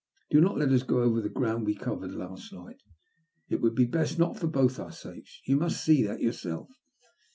Do not let us go over the ground we covered last night. It would be best not for both our sakes ; you must see that yourself."